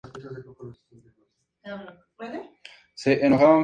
El presupuesto había sido descrito como "muy reducido".